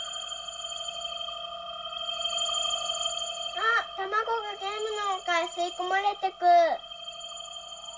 あたまごがゲームのなかへすいこまれてく。